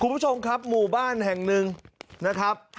คุณผู้ชมครับหมู่บ้านแห่งหนึ่งนะครับ